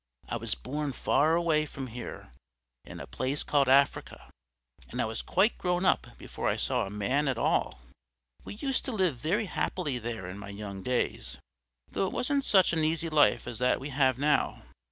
"I was born far away from here, in a place called Africa, and I was quite grown up before I saw a man at all. We used to live very happily there in my young days though it wasn't such an easy life as that we have now.